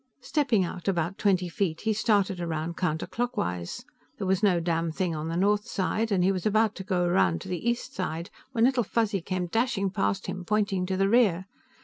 Stepping out about twenty feet, he started around counter clockwise. There was no damnthing on the north side, and he was about to go around to the east side when Little Fuzzy came dashing past him, pointing to the rear.